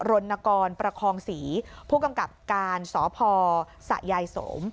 รณกรประคองศรีผู้กำกับการสพสะยายสม